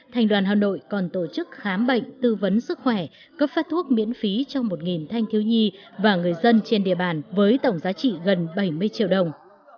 thành đoàn hà nội còn tổ chức khám bệnh tư vấn sức khỏe cấp phát thuốc miễn phí cho một thanh thiếu nhi và người dân trên địa bàn với tổng giá trị gần bảy mươi triệu đồng